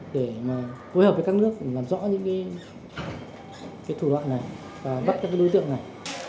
để mà phối hợp với các nước làm rõ những thủ đoạn này và bắt các đối tượng này